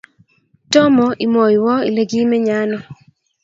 Tomo imwoiwo Ile kimenye ano